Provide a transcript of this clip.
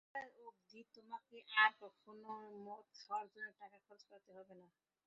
বেঁচে থাকা অব্দি তোমাকে আর কখনো মদ খাওয়ার জন্য টাকা খরচ করতে হবে না।